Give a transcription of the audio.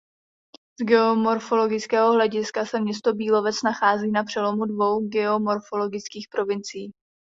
Z geomorfologického hlediska se město Bílovec nachází na přelomu dvou geomorfologických provincií.